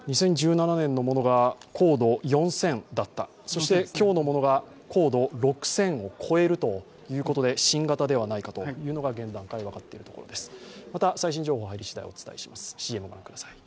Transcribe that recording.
２０１７年のものが高度４０００だった、そして今日のものが高度６０００を超えるということで新型ではないかというのが現段階で分かっているところです。